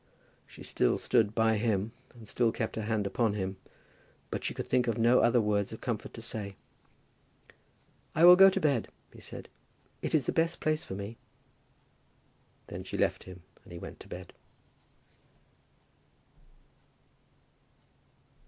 She still stood by him, and still kept her hand upon him; but she could think of no other words of comfort to say. "I will go to bed," he said. "It is the best place for me." Then she left him, and he went to bed.